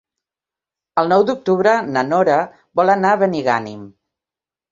El nou d'octubre na Nora vol anar a Benigànim.